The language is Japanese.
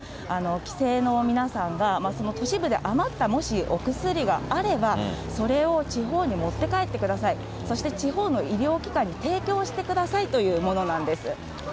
これ、何かといいますと、都市部から村に帰る帰省の皆さんが、その都市部で余った、もしお薬があれば、それを地方に持って帰ってください、そして地方の医療機関に提供してくださいというものなんです。